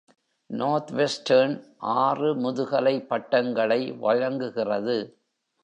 Northwestern ஆறு முதுகலை பட்டங்களை வழங்குகிறது.